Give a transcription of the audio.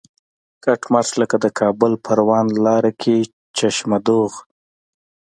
کټ مټ لکه د کابل پروان لاره کې چشمه دوغ.